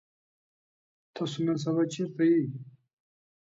تاسو نن سبا چرته يئ؟